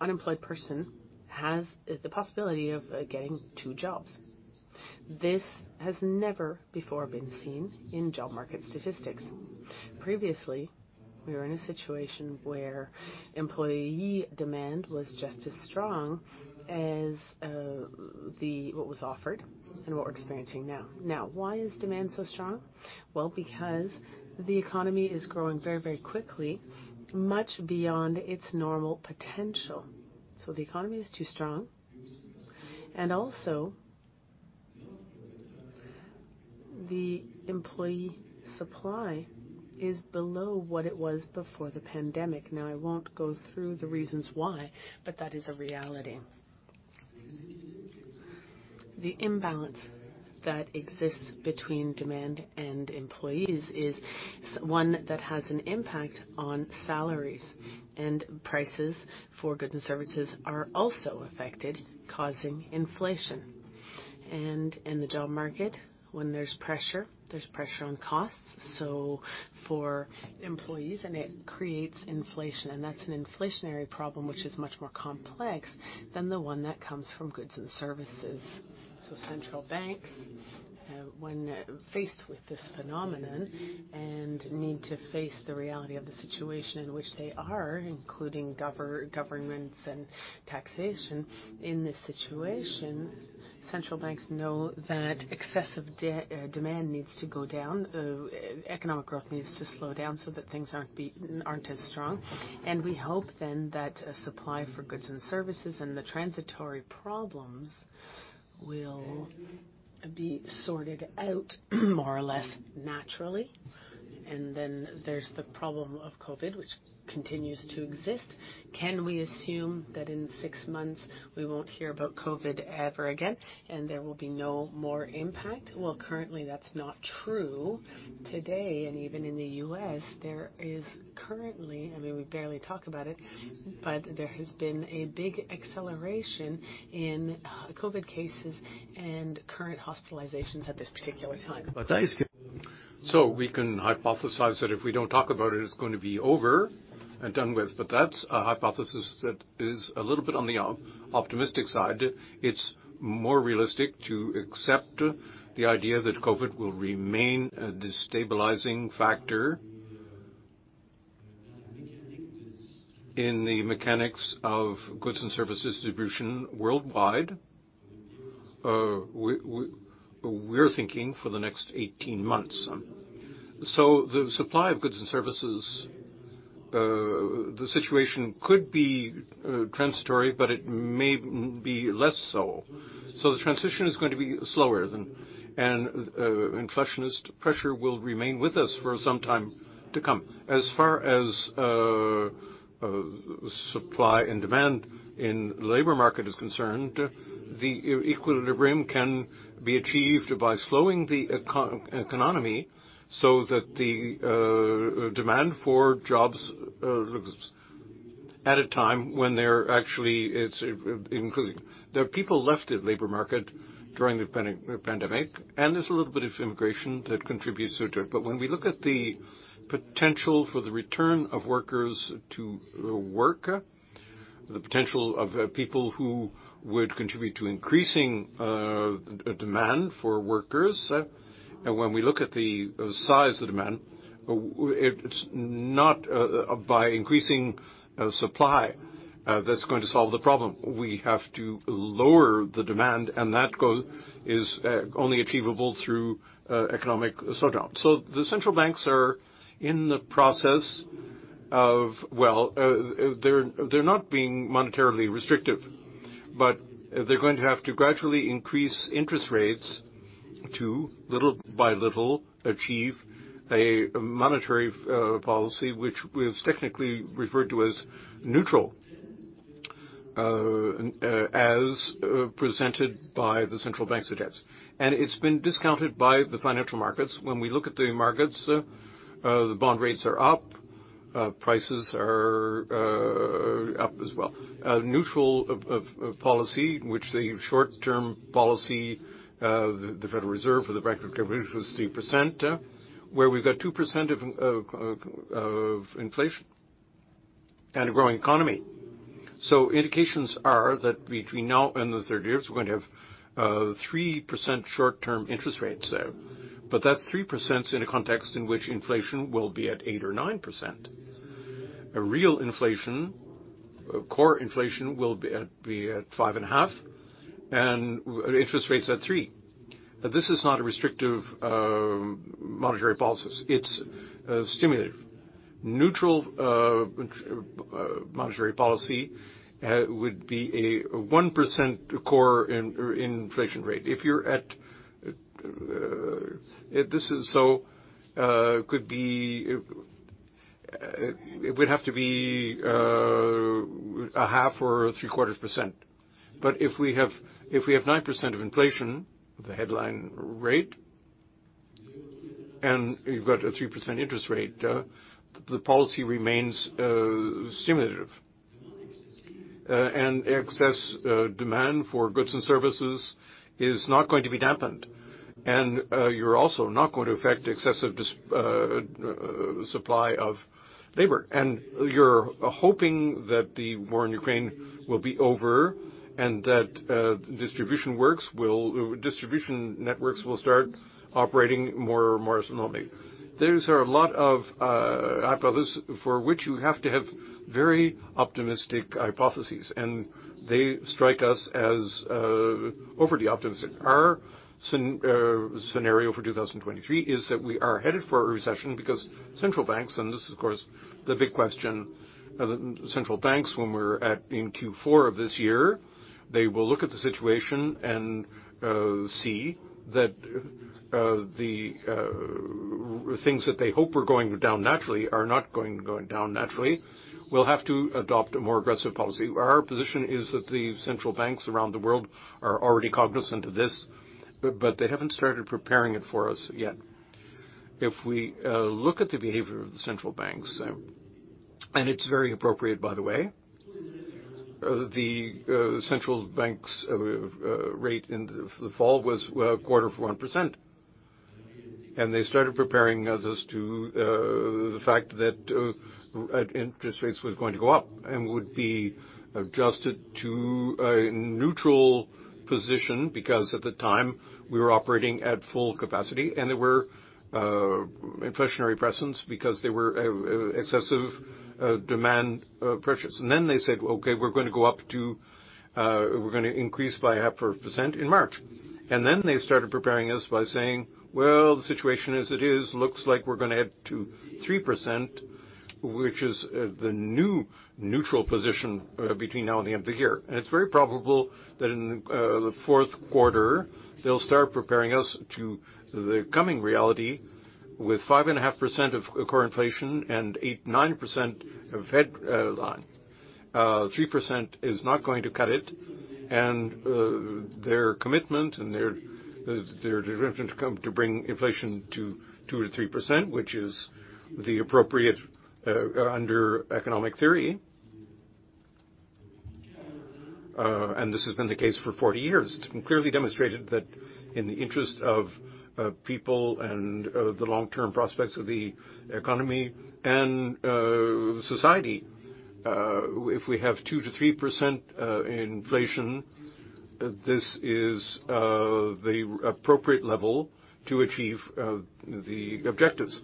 S2: unemployed person has the possibility of getting two jobs. This has never before been seen in job market statistics. Previously, we were in a situation where employee demand was just as strong as what was offered and what we're experiencing now. Why is demand so strong? Well, because the economy is growing very, very quickly, much beyond its normal potential. The economy is too strong. Also the employee supply is below what it was before the pandemic. I won't go through the reasons why, but that is a reality. The imbalance that exists between demand and employees is one that has an impact on salaries, and prices for goods and services are also affected, causing inflation. In the job market, when there's pressure, there's pressure on costs, so for employees, and it creates inflation. That's an inflationary problem which is much more complex than the one that comes from goods and services. Central banks, when faced with this phenomenon and need to face the reality of the situation in which they are, including governments and taxation. In this situation, central banks know that excessive demand needs to go down, economic growth needs to slow down so that things aren't as strong. We hope then that supply for goods and services and the transitory problems will be sorted out more or less naturally. There's the problem of COVID, which continues to exist. Can we assume that in six months we won't hear about COVID ever again and there will be no more impact? Currently, that's not true. Today, and even in the US, there is currently, I mean, we barely talk about it, but there has been a big acceleration in COVID cases and current hospitalizations at this particular time.
S1: That is. We can hypothesize that if we don't talk about it's gonna be over and done with, but that's a hypothesis that is a little bit on the optimistic side. It's more realistic to accept the idea that COVID will remain a destabilizing factor in the mechanics of goods and services distribution worldwide. We're thinking for the next 18 months. The supply of goods and services, the situation could be transitory, but it may be less so. The transition is going to be slower than, and inflationist pressure will remain with us for some time to come. As far as supply and demand in labor market is concerned, the equilibrium can be achieved by slowing the economy, so that the demand for jobs at a time when they're actually, it's including. There are people left at labor market during the pandemic, and there's a little bit of immigration that contributes to it. When we look at the potential for the return of workers to work, the potential of people who would contribute to increasing demand for workers, and when we look at the size of demand, it's not by increasing supply that's going to solve the problem. We have to lower the demand, and that goal is only achievable through economic slowdown. The central banks are in the process of, well, they're not being monetarily restrictive, but they're going to have to gradually increase interest rates to little by little achieve a monetary policy which was technically referred to as neutral, as presented by the central banks to date. It's been discounted by the financial markets. When we look at the markets, the bond rates are up. Prices are up as well. A neutral of policy, which the short-term policy, the Federal Reserve for the Bank of Canada was 3%, where we've got 2% of inflation and a growing economy. Indications are that between now and the 3rd year, we're going to have 3% short-term interest rates. That's 3% in a context in which inflation will be at 8% or 9%. A real inflation, core inflation, will be at 5.5, and interest rates at 3. This is not a restrictive monetary policy. It's stimulative. Neutral monetary policy would be a 1% core inflation rate. If this is so. It would have to be a half or three-quarter %. If we have, if we have 9% of inflation, the headline rate, and you've got a 3% interest rate, the policy remains stimulative. Excess demand for goods and services is not going to be dampened, and you're also not going to affect excessive supply of labor. You're hoping that the war in Ukraine will be over and that distribution networks will start operating more smoothly. Those are a lot of hypothesis for which you have to have very optimistic hypotheses, and they strike us as overly optimistic. Our scenario for 2023 is that we are headed for a recession because central banks, and this is, of course, the big question, the central banks, when we're at in Q4 of this year, they will look at the situation and see that the things that they hope are going down naturally are not going down naturally. We'll have to adopt a more aggressive policy. Our position is that the central banks around the world are already cognizant of this, but they haven't started preparing it for us yet. If we look at the behavior of the central banks, and it's very appropriate, by the way, the central bank's rate in the fall was quarter of 1%. They started preparing us as to the fact that interest rates was going to go up and would be adjusted to a neutral position, because at the time, we were operating at full capacity, and there were inflationary presence because there were excessive demand pressures. Then they said, "Okay, we're gonna go up to, we're gonna increase by 0.5% in March." Then they started preparing us by saying, "Well, the situation as it is looks like we're gonna add to 3%," which is the new neutral position between now and the end of the year. It's very probable that in the fourth quarter, they'll start preparing us to the coming reality with 5.5% of core inflation and 8%-9% of headline. 3% is not going to cut it, and their commitment and their determination to come to bring inflation to 2%-3%, which is the appropriate under economic theory. This has been the case for 40 years. It's been clearly demonstrated that in the interest of people and the long-term prospects of the economy and society, if we have 2%-3% inflation, this is the appropriate level to achieve the objectives.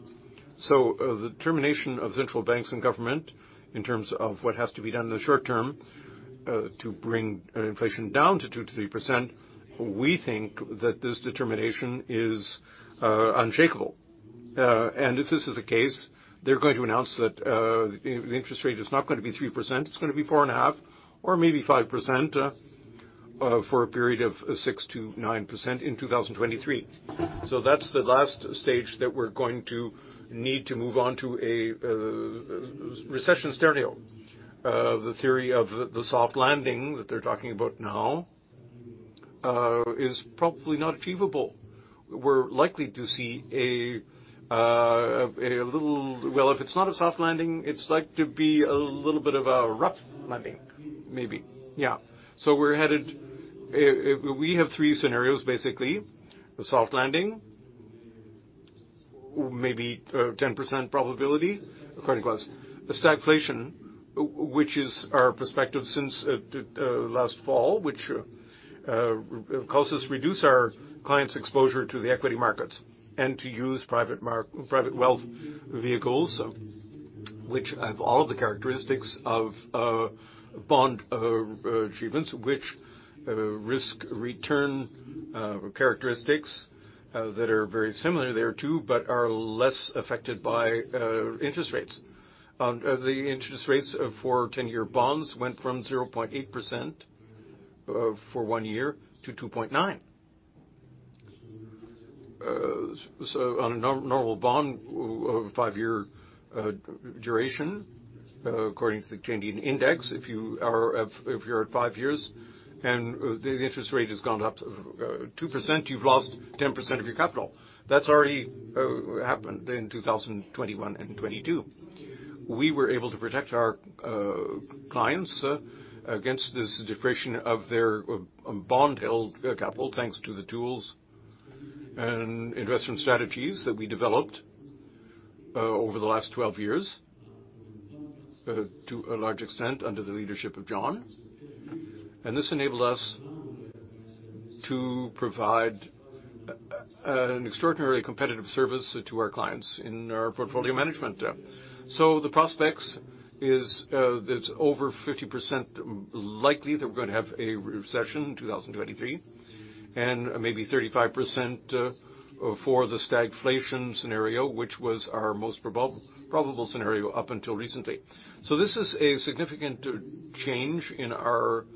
S1: The determination of central banks and government in terms of what has to be done in the short term, to bring inflation down to 2%-3%, we think that this determination is unshakable. If this is the case, they're going to announce that the interest rate is not gonna be 3%, it's gonna be 4.5% or maybe 5% for a period of 6%-9% in 2023. That's the last stage that we're going to need to move on to a recession scenario. The theory of the soft landing that they're talking about now is probably not achievable. We're likely to see a little... Well, if it's not a soft landing, it's like to be a little bit of a rough landing, maybe. Yeah. We're headed... We have 3 scenarios, basically. The soft landing, maybe, 10% probability, according to us. The stagflation, which is our perspective since last fall, which causes reduce our clients' exposure to the equity markets and to use private wealth vehicles, which have all of the characteristics of bond achievements, which risk return characteristics that are very similar there too, but are less affected by interest rates. The interest rates for 10-year bonds went from 0.8% for 1 year to 2.9%. On a normal bond of 5-year durationAccording to the Canadian index, if you're at 5 years and the interest rate has gone up 2%, you've lost 10% of your capital. That's already happened in 2021 and 2022. We were able to protect our clients against this depletion of their bond held capital, thanks to the tools and investment strategies that we developed over the last 12 years, to a large extent under the leadership of John. This enabled us to provide an extraordinarily competitive service to our clients in our portfolio management. The prospects is, it's over 50% likely that we're gonna have a recession in 2023, and maybe 35% for the stagflation scenario, which was our most probable scenario up until recently. This is a significant change in our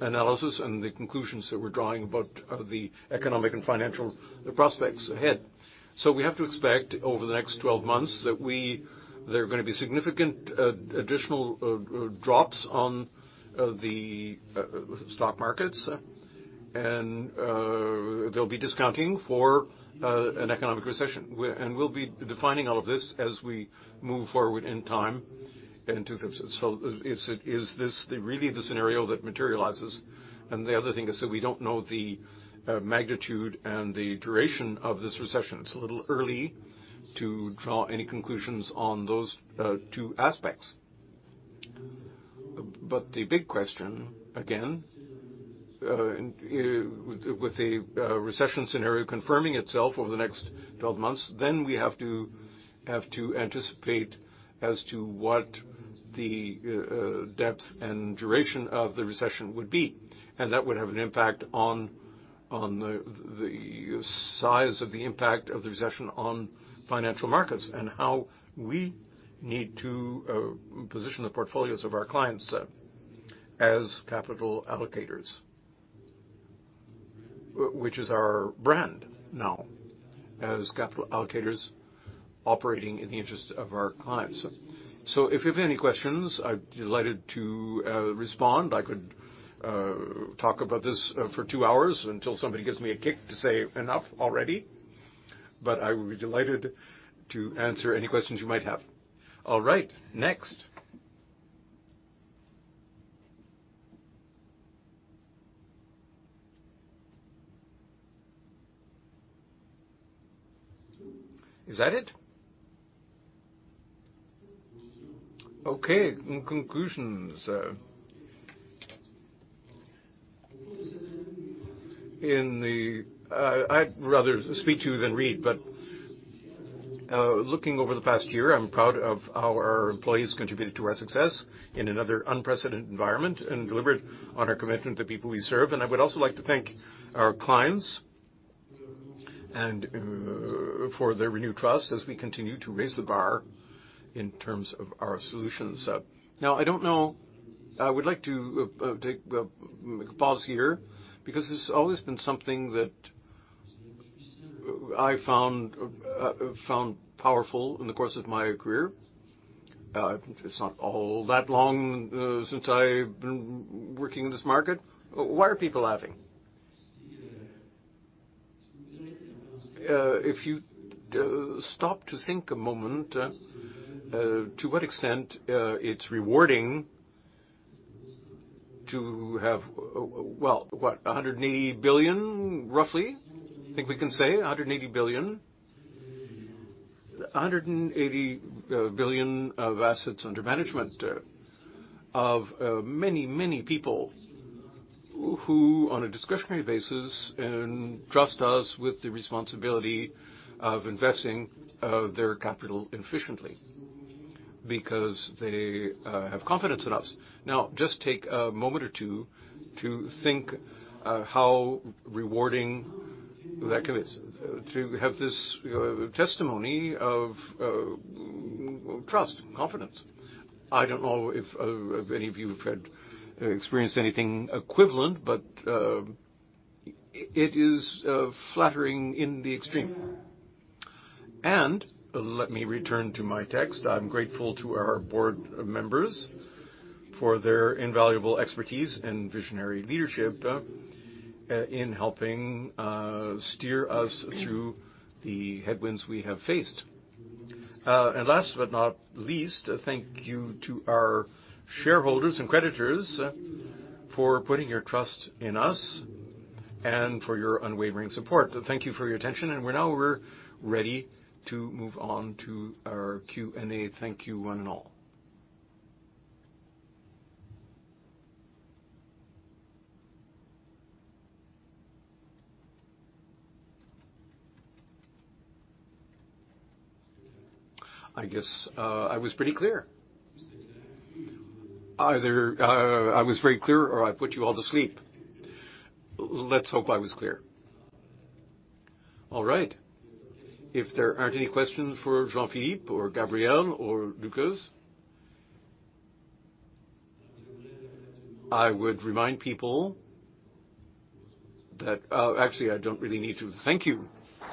S1: analysis and the conclusions that we're drawing about the economic and financial prospects ahead. We have to expect over the next 12 months that there are gonna be significant additional drops on the stock markets, and they'll be discounting for an economic recession. We'll be defining all of this as we move forward in time in 2000... Is this really the scenario that materializes? The other thing is that we don't know the magnitude and the duration of this recession. It's a little early to draw any conclusions on those 2 aspects. The big question, again, with the recession scenario confirming itself over the next 12 months, then we have to anticipate as to what the depth and duration of the recession would be. That would have an impact on the size of the impact of the recession on financial markets and how we need to position the portfolios of our clients as capital allocators. Which is our brand now, as capital allocators operating in the interest of our clients. If you've any questions, I'd be delighted to respond. I could talk about this for two hours until somebody gives me a kick to say enough already, I would be delighted to answer any questions you might have. Next. Is that it? In conclusions. I'd rather speak to you than read, looking over the past year, I'm proud of how our employees contributed to our success in another unprecedented environment and delivered on our commitment to the people we serve. I would also like to thank our clients and for their renewed trust as we continue to raise the bar in terms of our solutions. Now, I don't know... We'd like to take a pause here because it's always been something that I found powerful in the course of my career. It's not all that long since I've been working in this market. Why are people laughing? If you stop to think a moment, to what extent it's rewarding to have, well, what? 180 billion, roughly? I think we can say 180 billion. 180 billion of assets under management of many, many people who, on a discretionary basis, trust us with the responsibility of investing their capital efficiently because they have confidence in us. Now, just take a moment or two to think how rewarding that is to have this testimony of trust and confidence. I don't know if any of you experienced anything equivalent, but it is flattering in the extreme. Let me return to my text. I'm grateful to our board members for their invaluable expertise and visionary leadership in helping steer us through the headwinds we have faced. Last but not least, thank you to our shareholders and creditors for putting your trust in us and for your unwavering support. Thank you for your attention. We're now ready to move on to our Q&A. Thank you one and all. I guess, I was pretty clear. Either, I was very clear, or I put you all to sleep. Let's hope I was clear. All right. If there aren't any questions for Jean-Philippe or Gabrielle or Lucas. I would remind people that, actually, I don't really need to thank you.